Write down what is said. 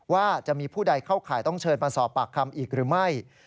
ว่าจะมีผู้ใดเข้าข่ายต้องเชิญมาสอบปากคำอีกหรือไม่